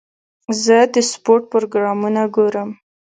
زه د سپورټ پروګرامونه ګورم.